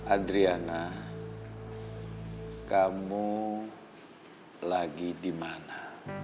adriana kamu lagi di mana